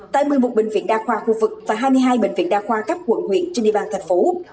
tại một mươi một bệnh viện đa khoa khu vực và hai mươi hai bệnh viện đa khoa cấp quận huyện trên địa bàn tp hcm